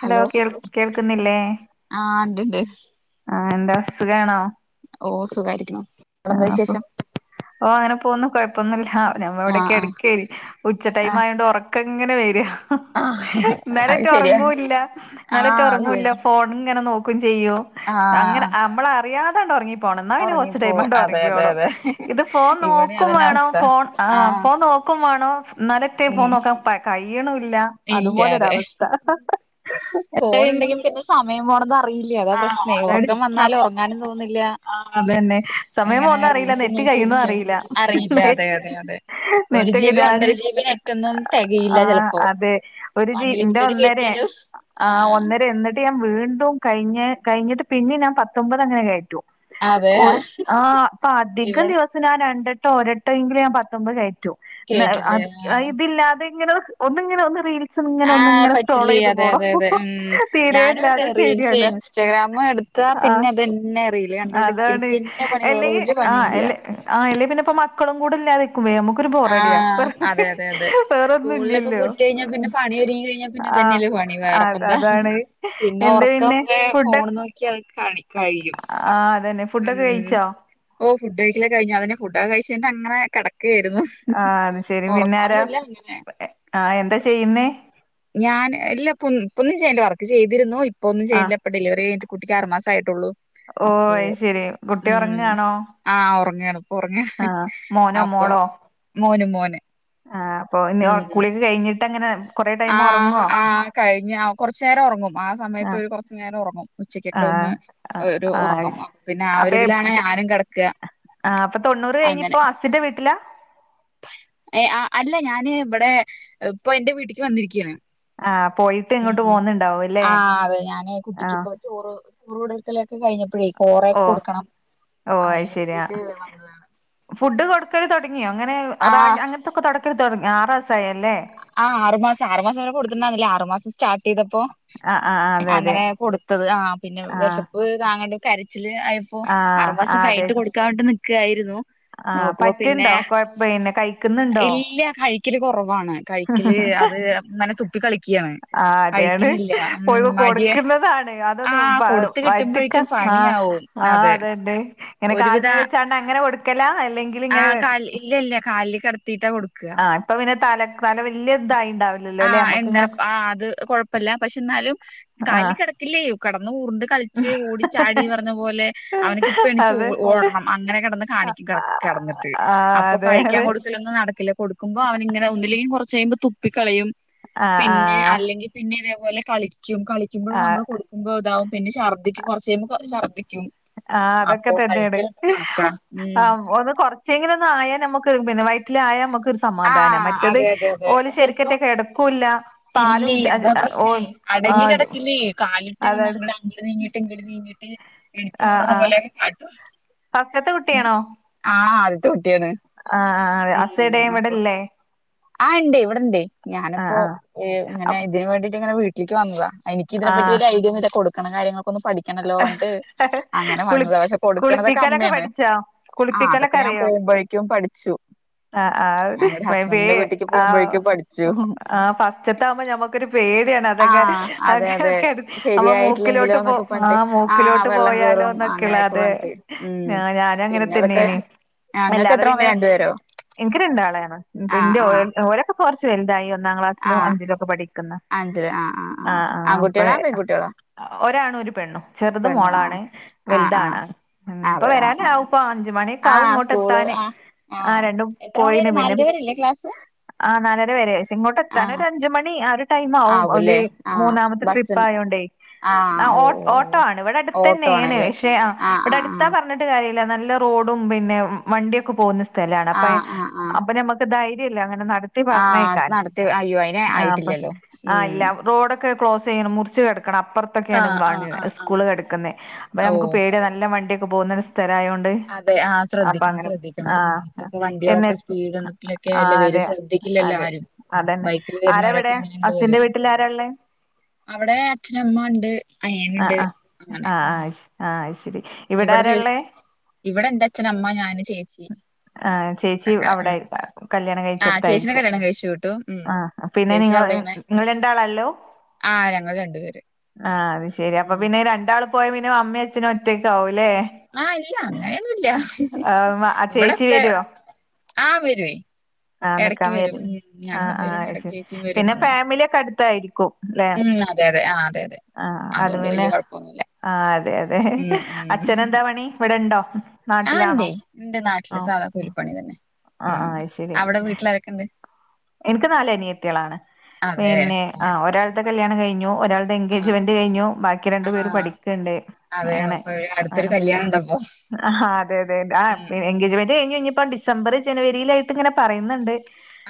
Hello കേൾ കേൾക്കുന്നില്ലേ ആഹ് ഇണ്ട്ണ്ട് ആഹ് എന്താ സുഗാണോ ഓ സുഗായിരിക്കണ് അവിടെ എന്താ അപ്പൊ വിശേഷം ഓ അങ്ങനെ പോകന്നും കൊയപ്പൊന്നുള്ള ഞാന് ആഹ് ഇവിടെയക്കെ ആഹ് കെടക്കേണ് ഉച്ച ടൈം ആഹ് ആയോണ്ട് ഓർക്ക് ഓർക്കങ്ങനെ വാര്യ ആഹ് അത് എന്നാലേറ്റ ശരിയാ ഒറങ്ങുല്ല എന്നാലേറ്റ ആഹ് അത് ഒറങ്ങുല്ല ശരി ഫോൺ ഇങ്ങനെ നോക്കും ചെയ്യും അങ്ങന ആഹ് നമ്മള് അറിയതാണ് ഉറങ്ങിപോണം എന്ന പിന്നെ കൊർച് ഉറങ്ങിപ്പോ ടൈമാണ് അതെ അതെ ഒറങ്ങിയോളൂ അതെ ഇത് ഫോൺ ഇവിടെ നോക്കും അതന്നെ വേണോ അവസ്ഥ ഫോൺ ആഹ് ഫോൺ നോക്കും വേണോ എന്നല്ലേറ്റേ ഫോൺ നോക്കാ കഴിണുല്ല ഇല്ലാതെ എന്താ ഫോൺ ഇങ്ങള് ഉണ്ടെങ്കിൽ പിന്നെ സമയം പോന്നത് അറിയില്ല അതാ പ്രശ്നം ഏ അതാണ് ഒറക്കം വന്നാല് സമയം ഒറങ്ങാനും തോന്നില്ല ആഹ് അതന്നെ സമയം എങ്ങനെ പോവുന്ന അറിയില്ല റീൽസ് നെറ്റ് കഴിയുന്നതും നോക്കിയിരിക്കും അറിയില്ല അറിയില്ല അതെ അതെ അതെ ഒരു ജി നെറ്റൊക്കെ ബി ഒന്നര ഞാന് ജി ബി നെറ്റൊന്നും തികയില്ല ചെൽപോ ത്, ഒരു ജീ ഇന്റെ ഒന്നര ആ ആഹ് ഒന്നര എന്നിട്ട് ഇപ്പൊ ഞാൻ വീണ്ടും കഴിഞ്ഞ് കഴിഞ്ഞിട്ട് പിന്നെ ഞാൻ പത്തൊമ്പത് അങ്ങനെ കയറ്റു അതെ ആഹ് അപ്പൊ അധികം ഇവിടെ ദിവസം ഞാൻ രണ്ടട്ടോ ഒരട്ട എങ്കിലും ഞാൻ പത്തൊമ്പത് കയറ്റു എന്നാ കേറ്റില്ലേ ആ ഇതില്ലാതെ ഇങ്ങനെ ഒന്നിങ്ങനെ ഒന്ന് റീൽസ് ഇങ്ങനെ ആഹ് ഒന്നിങ്ങനെ സ്ക്രോൾ പറ്റില്ല ചെയ്ത് അതെ പോണം അതെ അതെ ഉം ഞാനും അതെ തീരെയില്ലാതെ റീൽസ് ശരിയാവില്ല ഇൻസ്റ്റഗ്രാമ എടു ടുത്താ ആഹ് പിന്നെ ഇതന്നെ റീല് കണ്ടുകൊണ്ട് അതാണ് ഇരിക്കന്നെ പണി വേറ അല്ലെങ്കി ഒരു ആഹ് പണില്ല ഇല്ല അല്ലെ ആഹ് അല്ലേ പിന്നെപ്പ മക്കളും കൂടെ ഇല്ലാതെ ക്കും, നമുക്കൊരു ബോറടിയ ആഹ് വേർ അതെ അതെ അതെ സ്കൂളിലൊക്കെ വേറാന്നുല്ലല്ലോ വിട്ട് കഴിഞ്ഞാ പിന്നെ പണി ഒരുങ്ങി കഴിഞ്ഞാ പിന്നെ ആഹ് ഇതന്നെയല്ലേ പണി അത് വേറെപ്പെന്താ അതാണ് എന്ത് പിന്നെ ഫുഡ ക്യാള് കാണി കഴിയും ആഹ് അതന്നെ ഫുഡൊക്കെ ഉം കഴിച്ചോ ഓ ഫുഡ് കഴിക്കല് കഴിഞ്ഞു അതന്നെ ഫുഡോക്കെ കഴിച്ച് കഴിഞ്ഞിട്ട് അങ്ങനെ കെടക്കുകയായിരുന്നു ആഹ് അത് ശെരി പിന്നെ ആരാ ഒറങ്ങുനൊന്നുല്ല ഇങ്ങനെ ആഹ് എന്താ ചെയ്യുന്നേ ഞാന് ഇല്ല ഇപ്പൊന്നും ന്നും ചെയ്യല്ല വർക്ക് ചെയ്തിരുന്നു ഇപ്പൊന്നും ആഹ് ചെയ്യയില്ല ഇപ്പൊ ഡെലിവറി കിഞ്ഞട്ട് കുട്ടിക്ക് ആറ് മസായിട്ടൊള്ളു ഓ അത്ശേരി കുട്ടി ഉറങ്ങാണോ ആഹ് ഉറങ്ങണപ്പ ഉറങ്ങ മോനോ അപ്പൊ മോളോ മോന് മോന് ആഹ് അപ്പൊ ഓന് ഉം കുളികൊക്കെ കഴിഞ്ഞിട്ട് അങ്ങനെ കൊറേ ടൈം ആഹ് ഒറങ്ങോ ആഹ് കഴിഞ്ഞു ആഹ് കൊറച്ചു നേരം ഉറങ്ങും ആ സമയത്ത് ആഹ് ഒരു കൊറച്ചു നേരം ഉറങ്ങും ഉച്ചക്കൊക്കെ ആഹ് ഒന്ന് ആഹ് ഒരു ആഹ് ഉറങ്ങും പിന്നെ ആ ഒര് ഇതിലാണ് ഞാനും കിടക്കുക ആ ഇപ്പൊ തൊണ്ണൂറ് കഴിഞ് ഇപ്പോ ഹസ്സിന്റെ വീട്ടിലാ എ അ അല്ല ഞാന് ഇവടെ ഇപ്പൊ ഇന്റെ വീട്ട്ക്ക് വന്നിരിക്കയാണ് ആഹ് പോയിട്ട് ഇങ്ങോട്ട് ഉം പോന്നുണ്ടാവും അല്ലേ ആ അതെ ഞാന് ആഹ് കുട്ടിക്ക്പ്പോ ചോറ് ചോറ് കൊടുക്കലൊക്കെ കഴിഞ്ഞ പ്പയെ കോറേ ഓഹ് കൊടുക്കണം ഓഹ് അത് അയിന് ശരി വേണ്ടിട്ട് ആഹ് വന്നതാണ് ഫുഡ് കൊടുക്കല് തൊടങ്ങിയോ അങ്ങനെ റാ ആഹ് അങ്ങൻത്തൊക്കെ തുടക്ക തുട ആറാസായല്ലേ ആ ആറ് മാസം ആറ് മാസം വരെ കൊടു [unintelligible] ആറ് മാസം സ്റ്റാർട്ട് ചെയ്തപ്പോ ആഹ് ആഹ് അതെ അതെ അങ്ങനെ കൊടുത്തത് ആ പിന്നെ ആഹ് വെശപ്പ് താങ്ങണ്ട് കരച്ചില് ആയ പ്പൊ ആഹ് അറുമാസം അതെ കഴിഞ്ട്ട് കൊടുക്കാണ്ട് നിക്കായിരുന്നു ആഹ് നോക്കുവൊ പിന്നെ പറ്റ്ണ്ടോ കൊഴ പിന്നെ കഴിക്കുന്നുണ്ടോ ഇല്ല കഴിക്കല് കൊറവാണ് കയി ല് അത് ങ്ങനെ തുപ്പി കളിക്ക്യാണ് ആ അതെണ് പോയിവ് കൊടുക്കുന്നതാണ് ആ അതൊന്നും പ കൊടുത്ത് വയ്റ്റിക്കാ കിട്ടുമ്പോഴേക്കും ആ പണിയാവും ആ അതെ അതെന്നെ ഇങ്ങനെ ഒരുവിധ കാൽമേ വെച്ചാണ്ട് അങ്ങനെ കൊടുക്കല അല്ലെങ്കില് ഇങ്ങനെ ഇല്ലല്ല കാൽല് കെട് തീറ്റ കൊടുക്ക അപ്പൊ പിന്നെ തല തല വല്ല്യ ഇതായിണ്ടാവ് ആ എന്താ ആ അത് കൊഴപ്പല്ല പക്ഷെ ന്നാലും കാൽല് ആഹ് കെടക്കില്ലേ കെടന്ന് ഉർണ്ട് കളിച്ച് ഓടി ചാടി പർഞ്ഞ പോലെ അവന്ക്ക ഇപ്പ എണീച്ച് ഓ അതെ ഓടണം അങ്ങനെ കെടന്ന് കാണിക്കും കേട്ന്നിട്ട് ആ അതെ അതെ ന്നും നടക്കില്ല കൊടുക്കുമ്പോ അവന് ഇങ്ങനെ ഒന്നുല്ലെങ്കി കൊർച്ച് കയിഴുമ്പോ തുപ്പിക്കളയും ആഹ് പിന്നെ ആഹ് അല്ലെങ്കി പിന്നെ ഇതേപോലെ കളിക്കും കളിക്കുമ്പോൾ ആഹ് നമ്മള് കൊടുക്ക്മ്പോ ഇതാവും പിന്നെ ഛർ ദിക്കും കൊർച്ചയ്യുമ്പോ ഷർദിക്കും ആ അതൊക്കെ തന്നെണ് ആ ഉം ഒന്ന് കൊർ ചെങ്കിലോന്ന് ആയ നമുക്ക് പിന്ന വയറ്റില് ആയാ മക്ക് സമാധാന ആഹ് മറ്റത് അതെ അതെ അതെ ഓല് പക്ഷെ ഇപ്പൊ ശരിക്കറ്റെ കെടക്കൂല്ല പാലും ഇല്ലേ അതാ ഓ പ്രശ്നേ അടങ്ങി ആഹ് കെടക്കില്ലേ കാലിട്ട് അതാണ് ഞങ്ങള അങ്ങട്ട് നീങ്ങിട്ട് ഇങ്ങട്ട് നീങ്ങിട്ട് ഇടിച്ചു ഓടണ പോലെയക്കെ കാട്ടും ഫസ്റ്റത്തെ കുട്ടിയാണോ ആ ആദ്യത്തെ കുട്ടിയാണ് ആ ആ അതെ ഹസ്സവ്ടെ ഉം അപ്പൊ ഇവടെല്ലേ ആ ഇണ്ടെ ഇവടെണ്ടെ ഞാനിപ്പോ ഇങ്ങനെ ആഹ് ഇതിന് വേണ്ടിട്ട് ഇങ്ങനെ വീട്ടിക്ക് വന്നത അയ് ക്ക്‌ ഇതിനെപ്പറ്റി ആഹ് വല്യ ഐഡിയ ഒന്ന് ഇല്ല കൊടുക്ക്‌ണ കാര്യങ്ങൾക്കൊന്ന് പഠി ക്ക്യണല്ലോ അത് അങ്ങനെ കുളി വന്നത പക്ഷെ കൊടുക്ക്‌ണതക്കെ കുളിപ്പിക്കലൊക്കെ അമ്മെണ് പഠിച്ചോ ആ അതൊക്കെ കുളിപ്പിക്കലൊക്കെ ഞാൻ പോവുമ്പഴ ക്കും പഠിച്ചു ആ ആ ഞങ്ങടെ ഹസ്ബൻഡിന്റെ വീട്ടിക്ക് [unintelligible] ആ പോകുമ്പോഴേക്കും പഠിച്ചു ആ ഫസ്റ്റ്ത്താവുമ്പോ ഞമ്മ ഒരു പേടിയാണ് അതങ്ങെ ആഹ് അതെ അതെ [unintelligible] അമ്മ ശരിയായിട്ടില്ലെങ്കിലോ മൂക്കിലോട്ട് പോ എന്നൊക്കെ ആ പറഞ്ഞിട്ട് ആഹ് മൂക്കിലോട്ട് വെള്ളം കേറും പോയാലോന്നെ ക്കെള്ളെ അങ്ങനെയൊക്കെ അതെ പറഞ്ഞിട്ട് ഞാന അങ്ങനെ തന്നേനി ആ ഇങ്ങക്ക് അല്ലാതെ എത്ര മ പിന്നെ രണ്ട് പേരോ ഇൻക്ക് രണ്ടാളാണ്. ൻക് ന്റെ ഓരൊക്കെ പ്പൊ കൊർച്ച് വൽതായി ഒന്നാം ക്ലാ സിലും ആഹ് അഞ്ചിലൊക്കെ പഠിക്കുന്ന അഞ്ചില് ആഹ് ആഹ് ആ ആഹ് ആ ആൺകുട്ടികളാ അപ്പഴേ. പെൺകുട്ടികളാ ഒരാണും ഒരു പെണ്ണും. ചെറ്ത് പെണ്ണും ആഹ് മോളാണ്. ആഹ് വൽത് ആഹ് ആണാണ്. ഉം ഇപ്പ അതെ ആഹ് ആഹ് വെരാനാവും ഇപ്പ അഞ്ചു മണിയൊക്കാവും ആഹ് സ്കൂള് ഇങ്ങോട്ടെത്താന്. ആഹ് ആ ആഹ് രണ്ടും എത്ര മണി പോയിണ് വരെ പിന്നെ നാലര വരെല്ലേ ക്ലാസ് ആ നാലര വരെ ഷേ ഇങ്ങോട്ട് എത്താന് ആഹ് ഒരു അഞ്ചു മണി ആ ഒരു ടൈമാവും ഓല് ആവൂല്ലേ ആഹ് മൂന്നാമത്തെ ട്രിപ്പ് ബസ്സുണ്ട് ആയോണ്ടേ. ആ ആഹ് ഓ ഓഹ് ഓഹ് ഓട്ടോ ആണ്. ഇവടെ ഓഹ് ഓട്ടോ അട്ത്തന്നെണ്. ആണല്ലേ പക്ഷെ ആ ആഹ് ഇവടെ ആഹ് അടുത്താ ആഹ് പർഞ് ട്ട് കാര്യല്ല. നല്ല റോഡും പിന്നെ വണ്ടിയൊക്കെ പോവുന്ന സ്ഥലാണ് അപ്പ ആഹ് ആഹ് ആഹ് അപ്പഞമ്മ ധൈര്യല്ല അങ്ങനെ നടത്തി ആഹ് അത് പറഞ്ഞയ്ക്കാന്. നടത്തി അയ്യോ അയിന് ആ അപ്പം ആയിട്ടില്ലല്ലോ ആ ഉം ഇല്ലാ റോഡ ക്ലോസ്സ് ചെയ്യണം. മുറിച്ച് കടക്കണം. അപ്പർത്തെക്കെണ് ആഹ് ആഹ് വാണി ആഹ് ആഹ് സ്കൂള് കെടക്കുന്നേ. അപ്പം നമ്മക്ക് ഓഹ് പേ ഇവെടെ നല്ല വണ്ടിയൊക്കെ പോകുന്നൊരു സ്ഥലവായോണ്ട്. അതെ, ആ ശ്രദ്ധിക്കണം ശ്രദ്ധിക്കണം. ഉം ആഹ് ഇപ്പൊക്കെ എന്നി വണ്ടികളൊക്കെ സ്പീഡെയെന്നൊക്കെന്നോക്കിയല്ലേ ആഹ് വെരു അതെ ശ്രദ്ധിക്കണം. ഇല്ലല്ലോ അതെ ആരും അതന്നെ. ബൈക്കിൽ വരുന്നവരൊക്കെ ആരെവിടെ അസിന്റെ വീട്ടിലാരാള്ളേ? അവെടെ അച്ഛനമ്മ ഒണ്ട്. ആഹ് ആഹ് ആഹ് ആഹ് അയ്ശരി ഇവെടെ ആരാള്ളേ? ഇവെടെ എന്റെച്ഛനമ്മ ഞാന് ചേച്ചി. ആഹ് ചേച്ചി അങ്ങനെ അവെടെ ഉം കല്യാണം ആഹ് ചേച്ചിനെ കഴിച്ചടുത്തായിരിപ്പോ. കല്യാണം കഴിച്ചു വിട്ടു ഉം ആഹ് പിന്നെ ചേച്ചി നിങ്ങള്. അവിടെയാണ് നിങ്ങെളണ്ടാലല്ലോ? ആഹ് ഞങ്ങള് രണ്ടുപേര്. ആഹ് അത് ശെരി. അപ്പൊ ഉം പിന്നെ രണ്ടാൾ പോയപ്പിന്നെ അമ്മയും അച്ഛനും ഒറ്റക്കാവൂല്ലേ? ആഹ് ഇല്ല. അങ്ങനെയൊന്നുല്ല. ആ ചേച്ചി ഇവിടൊക്കെ. വരുവോ ആഹ് വെരുവേ ആ എടക്ക് നിക്കാൻ വെരും. വരും ഉം ഞങ്ങളും വെരും. എടക്ക് ചേച്ചിയും വെരും അങ്ങനെ. ക്കെ അടുത്തായിരിക്കും. അല്ലേ? ഉം അതെ അതെ. ആഹ് അതെയതെ. അതുകൊണ്ട് വെല്യാ കൊഴപ്പൊന്നുല്ല. ആഹ് അതെ അതെ. ഉം, അച്ഛനെന്താ പണി ഇവെടൊണ്ടോ? ആഹ് ഇണ്ടേ. ന്റെ നാട്ടില് സാധാ കൂലിപ്പണി തന്നെ. ആ ഉം ആ ശരി അവെടെ വീട്ടിലാരെക്കൊണ്ട്? എനിക്ക് നാല് അനിയത്തികളാണ്. പിന്നെ ഓ ആ ഒരാൾടെ കല്യാണം കഴിഞ്ഞു. ഒരാൾ ആ എൻഗേജ്മെന്റ് കഴിഞ്ഞു. ബാക്കി ആ രണ്ടു പേര് പഠിക്കെണ്ട് അതെ. അങ്ങനെ. അപ്പൊ അടുത്തൊരു അങ്ങനെ കല്യാണണ്ടപ്പൊ. ആഹാ അതെ അതെ ആ ഉം, പി ഉം. എൻഗേജ്മെന്റ് കഴിഞ്ഞ് കഴിഞ്ഞപ്പോ ഡിസംബറ് ജനുവരിലായിട്ടിങ്ങനെ പറയുന്നൊണ്ട്.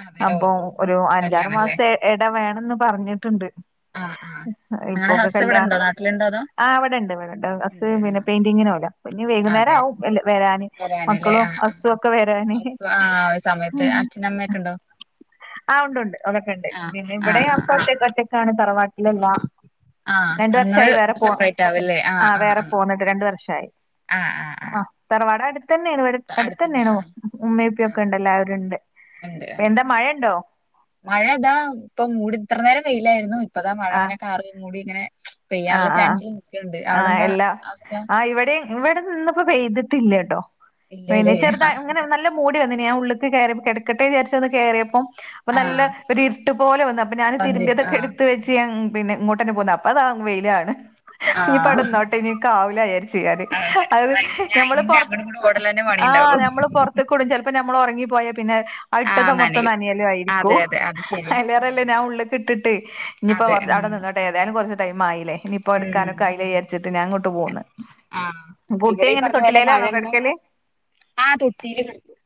അതെ. ഓ അപ്പൊ ഓ ഒരു അഞ്ചാറ് കല്യാണല്ലേ. മാസത്തെ എട വേണംന്ന് പറഞ്ഞിട്ടുണ്ട്. ആ ആ. നിങ്ങളെ ഇപ്പൊക്കെ ഹസ് കല്യാൺ ഇവിടെണ്ടോ? നാട്ടിലുണ്ടോ അതോ? ആഹ് അവെടൊണ്ട് ഇവെടൊണ്ട് അസ്സ് ഇണ്ട്. പിന്നെ പെയിന്റിങ്ങിന് പോല്ലാ. പിന്നെ വൈകുന്നേരം ആവും വെരാന്. വെരാനല്ലേ. ആഹ് ആഹ് ആ സമയത്ത് അച്ഛനമ്മയൊക്കെണ്ടോ? ആഹ് ഉണ്ട് ഉണ്ട്. അതൊക്കൊണ്ട്. പിന്നെ ആ ഇവെടെയാ ആ. പക്ഷേ കട്ടിക്കാനം തറവാട്ടിലെല്ലാ ആഹ് രണ്ട് നിങ്ങള് വർഷായി വേറെ പോ സെപ്പറേറ്റ് ആവല്ലേ ആഹ് വേറെ പോന്നിട്ട്. രണ്ടു വർഷായി. ആഹ് ആഹ് ആഹ് തറവാടടുത്ത് തന്നെണ്. ഇവെടെ ആഹ് അടുത്തന്നെ അടുത്ത്ത്തന്നെയാണു. ആഹ് ഉമ്മേപ്പിയൊക്കെ ആഹ് ഒണ്ട് എല്ലാവരും ഉണ്ട് ഉണ്ട് എന്താ. മഴണ്ടോ? മഴ ഇതാ ഇപ്പൊ മൂടി, ഇത്ര നേരം വെയിലായിരുന്നു. ഇപ്പതാ മഴ ആ ഇങ്ങനെ കാറി മൂടി ഇങ്ങനെ. ആ പെയ്യാനൊള്ള ആ ആ ചാൻസിൽ നിക്കനൊണ്ട്. അവെടെന്താ അവസ്ഥ? ഇവെടെ ഇന്നിപ്പം പെയ്തിട്ടില്ല ട്ടോ. പിന്നെ ഇല്ലല്ലേ ചെറുതാ ഇങ്ങനെ നല്ല. മൂടി വന്നേനേ. ഞാൻ ഉള്ളിക്ക് കേറി കെടക്കട്ടെ വിചാരിച്ചൊന്ന് കേറിയപ്പം പ്പ നല്ല ആഹ് ഒരു ഇരിട്ടുപ്പോലെ വന്ന്. ഞാന് വന്നി തിരുമ്പിയതൊക്കെ ആഹ് എടുത്ത് വെച്ച് ഞാൻ പിന്നെ ഇങ്ങോട്ട്ന്നെ പോന്ന്. അപ്പ അതാ വെയിലാണ്. ഇനിപ്പവെടെ ആഹ് നിന്നോട്ടെ ഇനി കാവലായരി ചെയ്യാന്. അതെ അത് പിന്നെ നമ്മെള് അയിന് പൊറ അങ്ങടും ഇങ്ങടും ഓടലന്നെ ആഹ് പണിണ്ടാവുള്ളു നമ്മെള് പൊറത്തേക്കോടും ചെലപ്പോ ഇപ്പൊ നമ്മള് ഉറങ്ങി പോയാ പിന്നെ ആ ഇട്ടത് ആഹ് മൊത്തം നനയും നനയലും ആയിരിക്കോ. അതെ അതെ അത് ശരിയാ അയലേറല്ലേ ഞാൻ ഉള്ളക ഇട്ടിട്ട് ഇനിയി ഇപ്പ അതെ ഉം അവിടെ നിന്നോട്ടെ ഏതായാലും കൊർച് ടൈ ആയില്ലേ ഇനിപ്പോ ഉം എടുക്കാനൊക്കെ അയി വിചാരിച്ചട്ട് ഞൻ ഇങ്ങോട്ട് പോന്ന് ആഹ് കുട്ടി ഇവിടെ ഈ എങ്ങനെ പറഞ്ഞ പോലെ മഴ തൊട്ടിലല്ലണോ അങ്ങനെ കിടക്കല് ആഹ് തൊട്ടീല് കെടത്തും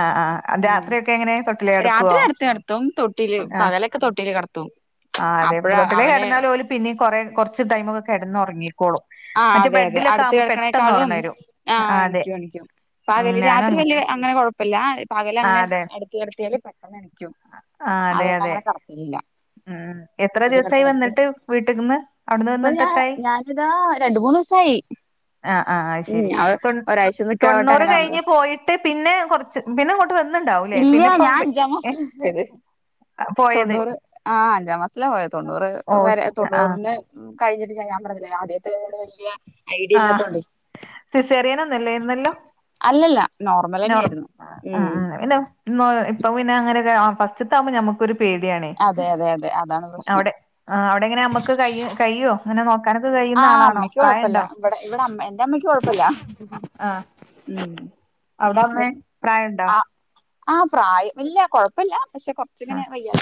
ആഹ് ആഹ് രാത്രിയൊക്കെ എങ്ങനെ തൊട്ടിലേ കെടുക്കുവോ രാത്രി അടുത്ത് കിടത്തും തൊട്ടില് ആഹ് പകലൊക്കെ തൊട്ടില് കിടത്തും ആഹ് അതെ അപ്പഴാ തൊട്ടലേ അവന് കടന്നാല് പോലും പിന്നീ കൊറ കുറച്ച് ടൈമൊക്കെ കിടന്നു ഉറങ്ങിട്ട് ആഹ് അതെ അതെ. അടുത്ത കേൾക്കണേക്കാളും ഒറണ്ണം വരും ആഹ് എണിക്കും എണിക്കും. ഉം പകല് ഞാനും രാത്രി അങ്ങ വല്യ അങ്ങനെ കൊഴപ്പില്ല പകല് ആഹ് അങ്ങനെ അതെ അടു കടുത്തിയല് പെട്ടെന്ന് എനിക്കും ആഹ് അതെ അതുകൊണ്ട് അതെ അങ്ങനെ കടത്തിലില്ല ഉം എത്ര ദിവസായി അപ്പൊ വന്നിട്ട് വീട്ടിക്ക്ന്ന് അവിടുന്ന് വന്നിട്ട് ഞ എത്രായി ഞാനിതാ മുന്നുസായി ആഹ് ആഹ് ശരി തൊ നിക്കാൻ പറഞ്ഞിട്ട് തൊണ്ണൂറ് അങ്ങനെ വന്നതാ കഴിഞ്ഞ് പോയിട്ട് പിന്നെ കൊറച്ച് പിന്നെ ഇങ്ങോട്ട് വന്നണ്ടാവുംലേ ഇല്ല പിന്നെപ്പം ഞാൻ അഞ്ചാം ഏഹ് മാസത്തിലാ പോയത് ആഹ് അഞ്ചാം മാസില പോയത് തൊണ്ണൂറ് ഓ വരെ ആഹ് തൊണ്ണൂറിന് കഴിഞ്ഞിട്ട് ഞാൻ പർഞ്ഞില്ലെ അങ്ങനെ വലിയ ഐഡിയ ഇല്ലാത്തോണ്ട് സിസേറിയനൊന്നല്ലേന്നല്ലോ അല്ലല്ല നോർമൽ നോർ തന്നെയായിരുന്നു ഉം ഉം ഇനോ ഇപ്പൊ പിന്നെ അങ്ങനൊക്കെ ആ ഫസ്റ്റ്ത്തെ ആമ്പൊ ഞമ്മക്കൊരു പേടിയാണേ അതെ അതെ അതെ അതാണ് പ്രശ്നം അവിടെ ആ അവിടെ എങ്ങനെ നമ്മുക്ക് കഴി കയ്യോ ഇങ്ങനെ നോക്കാനൊക്കെ ആ കഴിയുന്ന ആളാണോ അമ്മയ്ക്ക് തായെ കൊഴപ്പല്ല ഉണ്ടോ ഇവിടെ ഇവിടെ അമ്മ എന്റെ അമ്മക്ക് കൊഴ പ്പല്ല ആ ഉം അവിടെ അമ്മേ പ്രായണ്ടോ ആ ആഹ പ്രായം ഇല്ല കൊഴപ്പമില്ല പക്ഷെ കുറച്ച്‌ ആ ഇങ്ങനെ വയ്യാ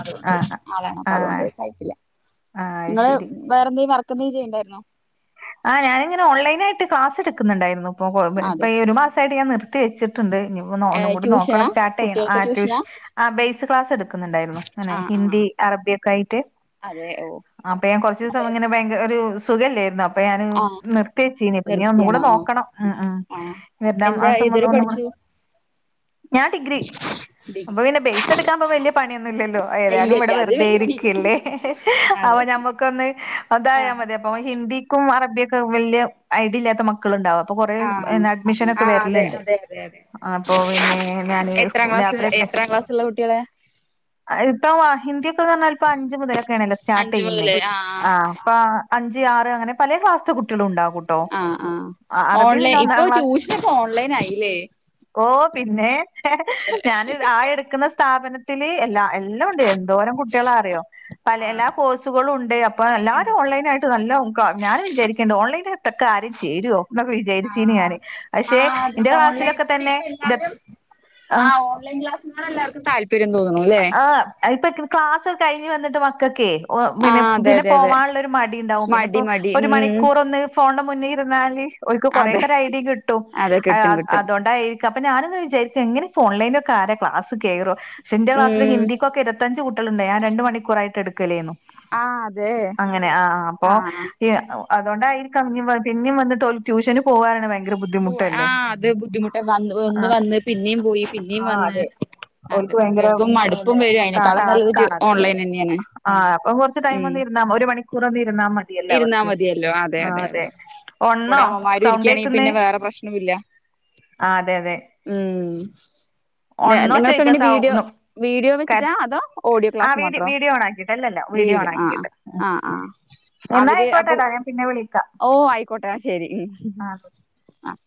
അതോണ്ട് ആ ആളാണ് അപ്പം ആ അതുകൊണ്ട് ആ സഹിക്കില്ല അത് ഇങ്ങള് ശരി വേറെന്തങ്കിലും വർക്കെന്തെങ്കിലും ചെയ്യ്ണ്ടായിരുന്നോ ആഹ ഞാനിങ്ങനെ ഓൺ ലൈനായിട്ട് ക്ലാസ് എടുക്ക്ന്ന്ണ്ടായിരുന്നു ഇപ്പോ ഇപ്പൊ അതെ ഈ ഒരു മാസമായിട്ട് ഞാൻ നിർത്തി വെച്ചിട്ടുണ്ട് ഇനിഇപ്പൊ ഒന്നും കൂടി ട്യൂഷനാ നോക്കണം സ്റ്റാർട്ട് ചെയ്യണം കുട്ടികൾക്ക് ആഹ്‌ ട്യൂഷ ട്യൂഷനാ ആ ബേസ് ക്ലാസ് എടുക്കുന്നുണ്ടായിരുന്നു ഇങ്ങനെ ആ ആ ഹിന്ദി അറബിയൊക്കെ ആയിട്ട് അതെ ഓ അപ്പൊ ഞാൻ കുറച്ച് ദിവസം ഇങ്ങനെ ഭങ്ക ഒരു സുഖല്ലേരുന്നു അ അപ്പൊ ഞാന് ആ നിർത്തി വെച്ചീന് ഇപ്പൊ ഇനി ഒന്നുകൂടെ നിർത്തിയാണോ ആ നോക്കണം ഉം ഉം ആ വര്ണ എന്താ മാസം ഏതുവരെ ഒന്നുകൂടെ [inaudible] ഞാൻ ഡിഗ്രി ഡിഗ്രി അപ്പൊ പിന്നെ ബേസ് എടുക്കാൻ ഇപ്പൊ വല്യ പണിയൊന്നുംല്ലല്ലോ ഇല്ല ഏതായാലും ഇല്ല ഇവിടെ അത് വെറുതെ വെല്ലുവിളി ഇരിരിക്കല്ലേ അപ്പ അതെ ഞമ്മ ക്കൊന്ന് അതായ ആ മതി അപ്പൊ ഹിന്ദിക്കും അറബിയക്കും വല്യയ ഐഡിയ ഇല്ലാത്ത മക്കൾ മക്കൾ ഇണ്ടാവും അപ്പൊ കൊറെ ആഹ് അഡ്മിഷൻ ഒക്കെ ആഹ് അതെ വര്ല്ണ്ട് അതെ അതെ അതെ ആപ്പൊ പിന്നെ ഞാന് എത്രാം ക്ലാസ് യാത്രൊക്കെ എത്രാം ക്ലാസ്സുള്ള കുട്ടികളെ ഇപ്പ ഹിന്ദി ഒക്കെന്ന്റഞ്ഞാൽ ഇപ്പ അഞ്ച് മുതലൊക്കെ ആണല്ലോ സ്റ്റാർട്ട് അഞ്ച് ചെയ്യുന്നേ മുതല് ആഹ് ആ ഇപ്പ അഞ്ച് ആറ് അങ്ങനെ പലേ ക്ലാസ്ത്തെ കുട്ട്യാളും ഉണ്ടാകും ആഹ് ആഹ്‌ ഓൺലൈൻ ഇപ്പൊ ക്ലാസ് ട്യൂഷനൊക്ക ഓൺലൈൻ ആയില്ലേ ഓ പിന്നെ അതെ ഞാൻ ആഹ്‌ എടുക്കുന്ന സ്ഥാപനത്തില് എല്ലാ എല്ലാ ണ്ട് എന്തോരം കുട്ട്യാള അറിയോ പല ആഹ് എല്ലാ കോഴ്സുകളും ഉണ്ട് അപ്പൊ എല്ലാരും ഉണ്ടല്ലേ ഓൺലൈൻ ആയിട്ട് നല്ല ക്ക ഞാനും വിചാരിക്ക്ണ്ട് ഓൺലൈനായിട്ടൊക്കെ ആരേം ചേരോ എന്നൊക്കെ വിചാരിച്ചീനി ആഹ് ഞാന് പക്ഷെ ആഹ് അതെ ഇന്റെ ക്ലാസ്സിലൊക്കെ തന്നെ ഇത ആ ഓൺലൈൻ ക്ലാസിനോട് എല്ലാർക്കും താല്പര്യം തോന്നുണുല്ലെ അത് ഇപ്പൊ ക്ലാസ് ഒക്കെ കഴിഞ്ഞ് വന്നിട്ട് മക്കക്കെ പിന്നെ ആഹ് അതെ പിന്നെ അതെ അതെ പോവാൻള്ളൊരു മടി ഇണ്ടാവും പിന്നെ മടി ഇപ്പൊ മടി ഒരു ഉം മണിക്കൂർ ഒന്ന് ഫോണിന്റെ മുന്നിൽ ഇരുന്നാല് ഓൽക്ക് അതെ കൊറേക്കൊര് ഐഡിയേം കിട്ടും അതെ കിട്ടും കിട്ടും അതോണ്ടായി ക്ക അപ്പ ഞാനൊന്ന് വിചാരിക്ക എങ്ങന ഓൺലൈൻ ഒക്കെ ആരാ ക്ലാസ് കേറോ പക്ഷെ ഇന്റെ ക്ലാസ്സില് ഉം ഹിന്ദി കൊക്കെ ഇര്പത്തഞ്ചുകുട്ട്യേളുണ്ട് ഞാൻ രണ്ട് മണിക്കൂറായിട്ട് എടുക്കലേന്നു ആഹ് അതെ അങ്ങനെ ആഹ അപ്പൊ ആഹ് അതൊണ്ടായിരിക്കാം ഇനി പിന്നെം വന്നിട്ട് ട്യൂഷന് പോവാനാണ് ഭയങ്കര പോവാൻ ആ ബുദ്ധിമുട്ടല്ലേ അത് ബുദ്ധിമുട്ട് വന്ന് ഒന്ന് ആഹ്‌ വന്ന് പിന്നെയും പോയി പിന്നെയും ആഹ്‌ വന്ന് അതെ അതെ ഓൽക്ക് ഭയങ്കര കുട്ടികൾക്കും മടുപ്പും പിന്നെ വരും ആഹ് അതിനേക്കാളും ടാസ്ക് നല്ലത് ആണത് ഓൺലൈൻ തന്നെയാണ് ആഹ് അപ്പൊ കുറച്ച് ടൈം ഉം ഒന്ന് ഇരുന്നാ ഒരു മണിക്കൂർ ഒന്ന് ഇരുന്നാൽ മതിയല്ലോ അവർക്ക് ഇരിന്നാ മതിയല്ലോ അതെ അതെ അത കൂടെ ഒൺന്നോ അമ്മമാരും ഇരിക്യയാണെങ്കിൽ സൗണ്ടേക്കുന്നെ പിന്നെ വേറെ പ്രശ്നുംഇല്ല ആഹ് അതെ അതെ ഉം ഒൺന്നോ നിങ്ങളപ്പോ ചോയ്ക്ക എങ്ങനെ സൗ വീഡിയോ വീഡിയോ ക വെച്ചിട്ടാ അതോ ഓഡിയോ ആഹ് ക്ലാസ് വീഡി മാത്രോ വീഡിയോ ഓൺ ആക്കിട്ട് അല്ലല്ല ഓൺ വീഡിയോ ആഹ ആക്കിയിട്ട് ആഹ ആഹ ആഹ എന്നാ അവര് അപ്പൊ ആയിക്കോട്ടെടാ ഞാൻ പിന്നെ വിളിക്കാം ഓ ആയി അയിക്കോട്ടെ ശെരി ആഹ് ആഹ്‌